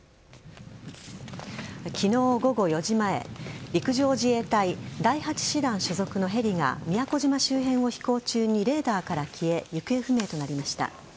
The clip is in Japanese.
昨日午後４時前陸上自衛隊第８師団所属のヘリが宮古島周辺を飛行中にレーダーから消え行方不明となりました。